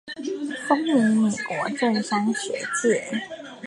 風靡美國政商學界